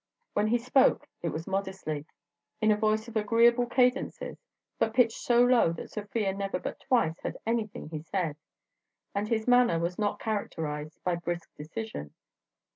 When he spoke it was modestly, in a voice of agreeable cadences but pitched so low that Sofia never but twice heard anything he said; and his manner was not characterized by brisk decision.